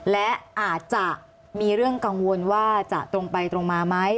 และอาจจะมีเรื่องกังวลว่าจะตรงไปตรงมาไหม